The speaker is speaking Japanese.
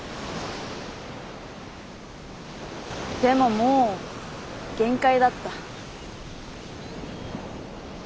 でももう限界だった。